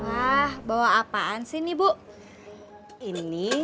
wah bawa apaan sih nih bu ini